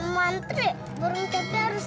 mantri burung cepi harus